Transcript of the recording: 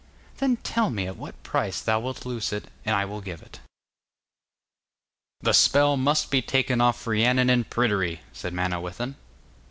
'Then tell me at what price thou wilt loose it, and I will give it.' 'The spell must be taken off Rhiannon and Pryderi,' said Manawyddan.